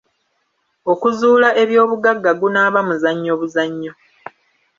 Okuzuula eby'obugagga gunaaba muzannyo buzannyo.